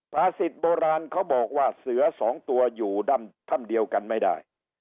ภาษิตโบราณเขาบอกว่าเสือสองตัวอยู่ถ้ำเดียวกันไม่ได้